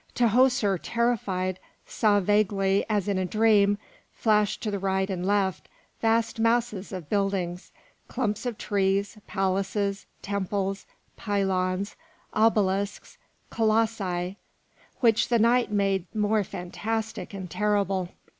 Tahoser, terrified, saw vaguely, as in a dream, flash to the right and left vast masses of buildings, clumps of trees, palaces, temples, pylons, obelisks, colossi, which the night made more fantastic and terrible.